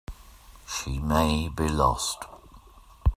She may be lost.